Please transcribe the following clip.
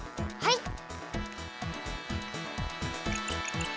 はい！